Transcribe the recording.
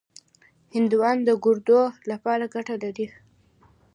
هندوانه د ګردو لپاره ګټه لري.